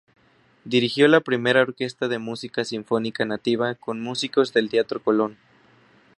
Dirigió la primera Orquesta de Música Sinfónica Nativa, con músicos del teatro Colón.